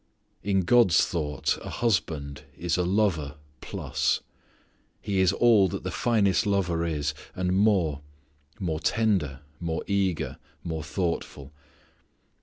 In God's thought a husband is a lover plus. He is all that the finest lover is, and more; more tender, more eager, more thoughtful.